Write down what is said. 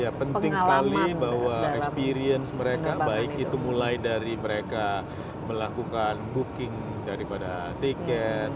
ya penting sekali bahwa experience mereka baik itu mulai dari mereka melakukan booking daripada tiket